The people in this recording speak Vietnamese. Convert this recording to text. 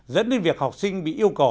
dẫn đến việc học sinh bị yêu cầu